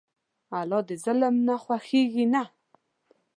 الله د ظلم نه خوشحالېږي نه.